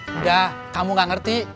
udah kamu gak ngerti